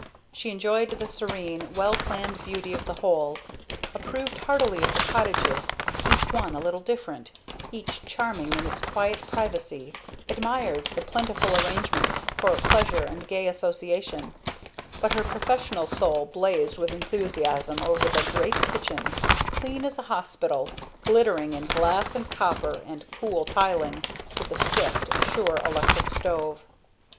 She enjoyed the serene, well planned beauty of the whole; approved heartily of the cottages, each one a little different, each charming in its quiet privacy, admired the plentiful arrangements for pleasure and gay association; but her professional soul blazed with enthusiasm over the great kitchens, clean as a hospital, glittering in glass and copper and cool tiling, with the swift, sure electric stove.